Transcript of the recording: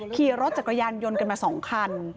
ขี่รถจักรยานยนต์กันมา๒คัน